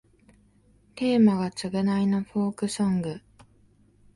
テーマが償いのフォークソング